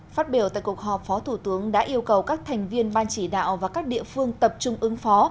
phát biểu tại cuộc họp phó thủ tướng đã yêu cầu các thành viên ban chỉ đạo và các địa phương tập trung ứng phó